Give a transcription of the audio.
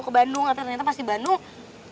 ke bandung tapi ternyata pas di bandung